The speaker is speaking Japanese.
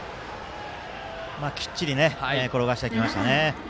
きっちり転がしてきました。